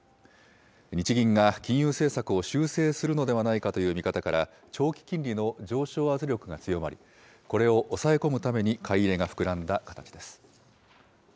日銀が金融政策を修正するのではないかという見方から、長期金利の上昇圧力が強まり、これを抑え込むために買い入れが膨らんだ形です。